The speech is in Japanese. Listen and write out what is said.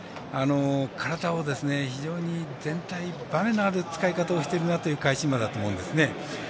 体を非常にバネのある使い方をしているなという返し馬だと思いますね。